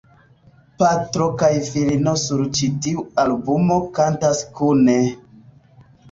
Patro kaj filino sur ĉi tiu albumo kantas kune.